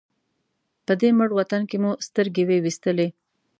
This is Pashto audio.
په دې مړ وطن کې مو سترګې وې وېستلې.